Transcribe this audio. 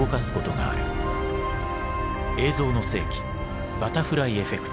「映像の世紀バタフライエフェクト」。